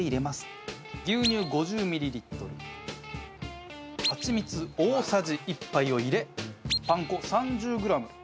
牛乳５０ミリリットルハチミツ大さじ１杯を入れパン粉３０グラム。